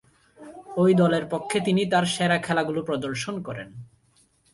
ঐ দলের পক্ষ তিনি তার সেরা খেলাগুলো প্রদর্শন করেন।